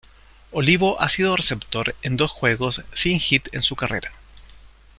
Olivo ha sido receptor en dos juegos sin hit en su carrera.